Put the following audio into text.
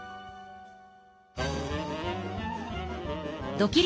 ドキリ★